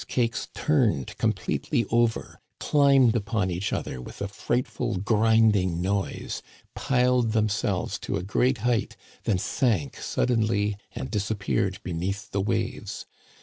6l cakes turned completely over, climbed upon each other with a frightful grinding noise, piled themselves to a great height, then sank suddenly and disappeared be neath the waves.